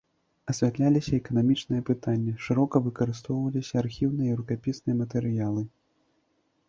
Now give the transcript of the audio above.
Асвятляліся эканамічныя пытанні, шырока выкарыстоўваліся архіўныя і рукапісныя матэрыялы.